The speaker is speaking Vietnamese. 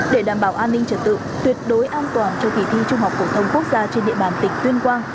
để đảm bảo an ninh trật tự tuyệt đối an toàn cho kỳ thi trung học phổ thông quốc gia trên địa bàn tỉnh tuyên quang